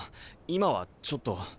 今はちょっと。